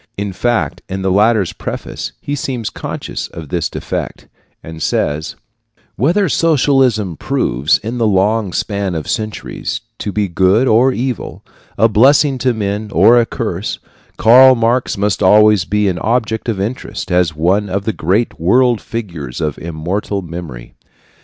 In fact, in the latter's preface he seems conscious of this defect, and says: Whether socialism proves, in the long span of centuries, to be good or evil, a blessing to men or a curse, Karl Marx must always be an object of interest as one of the great world figures of immortal memory.